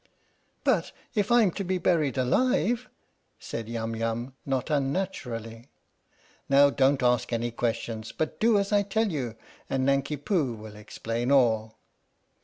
" But if I'm to be buried alive?" said Yum Yum, not unnaturally. " Now don't ask any questions, but do as I tell you and Nanki Poo will explain all!